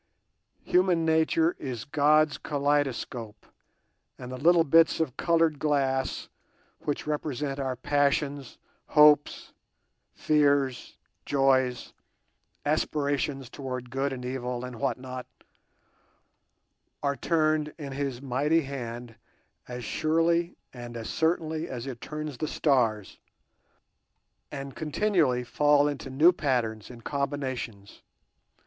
Human nature is God's kaleidoscope, and the little bits of coloured glass which represent our passions, hopes, fears, joys, aspirations towards good and evil and what not, are turned in His mighty hand as surely and as certainly as it turns the stars, and continually fall into new patterns and combinations.